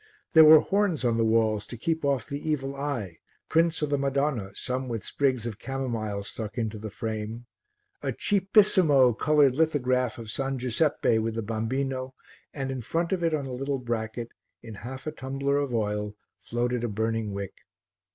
There were horns on the walls to keep off the evil eye, prints of the Madonna, some with sprigs of camomile stuck into the frame, a cheapissimo coloured lithograph of S. Giuseppe with the Bambino, and in front of it on a little bracket, in half a tumbler of oil, floated a burning wick.